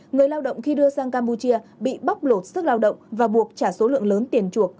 người lao động khi đưa sang campuchia bị bóc lột sức lao động và buộc trả số lượng lớn tiền chuộc